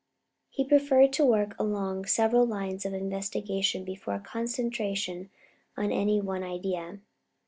He preferred to work along several lines of investigation before concentration on any one idea.